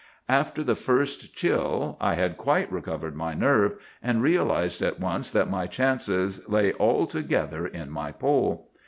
"After the first chill I had quite recovered my nerve, and realized at once that my chances lay altogether in my pole.